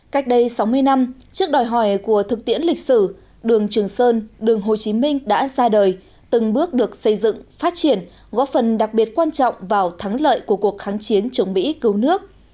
cách đây sáu mươi năm trước đòi hỏi của thực tiễn lịch sử đường trường sơn đường hồ chí minh đã ra đời từng bước được xây dựng phát triển góp phần đặc biệt quan trọng vào thắng lợi của cuộc kháng chiến chống mỹ cứu nước